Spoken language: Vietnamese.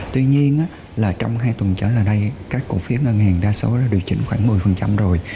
tuy nhiên là trong hai tuần trở lại đây các cổ phiếu ngân hàng đa số đã điều chỉnh khoảng một mươi rồi